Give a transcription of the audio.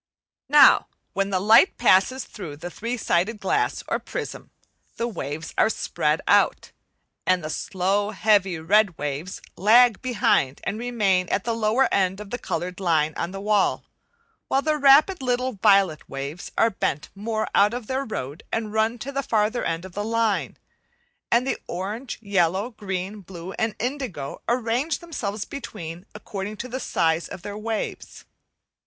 Now, when the light passes through the three sided glass or prism, the waves are spread out, and the slow, heavy, red waves lag behind and remain at the lower end R of the coloured line on the wall (Fig. 7), while the rapid little violet waves are bent more out of their road and run to V at the farther end of the line; and the orange, yellow, green, blue, and indigo arrange themselves between, according to the size of their waves.